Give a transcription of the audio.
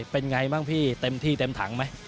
เป็นไงบ้างพี่เต็มที่เต็มถังไหม